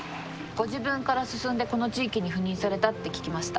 ご自分から進んでこの地域に赴任されたって聞きました。